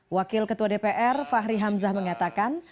wakil ketua dpr fahri hamzah mengatakan